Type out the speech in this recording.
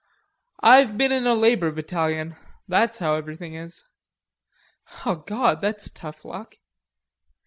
"I've been in a labor battalion. That's how everything is." "God, that's tough luck!"